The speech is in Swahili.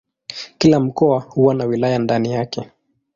Kila mkoa huwa na wilaya ndani yake.